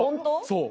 そう。